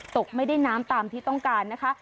ตกไม่ได้น้ำตามที่ต้องการนะคะ